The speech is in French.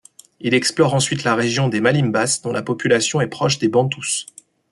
Il explore ensuite la région des Malimbas, dont la population est proche des Bantous.